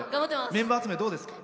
メンバー集め、どうですか？